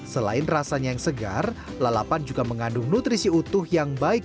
selain rasanya yang segar lalapan juga mengandung nutrisi utuh yang baik